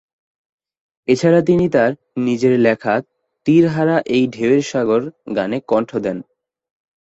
এছাড়া তিনি তার নিজের লেখা "তীর হারা এই ঢেউয়ের সাগর" গানে কণ্ঠ দেন।